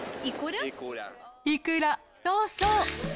いくら、そうそう。